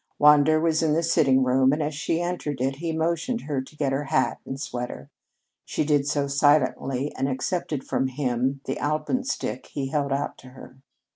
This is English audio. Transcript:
Wander was in the sitting room and as she entered it he motioned her to get her hat and sweater. She did so silently and accepted from him the alpenstock he held out to her.